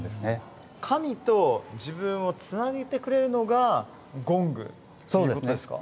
神と自分をつなげてくれるのがゴングっていうことですか？